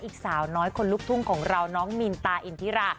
อีกสาวน้อยคนลุกทุ่งของเราน้องมีนตาอินทิรา